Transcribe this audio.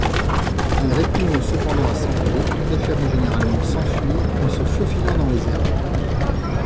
Il répugne cependant à s’envoler, préférant généralement s’enfuir en se faufilant dans les herbes.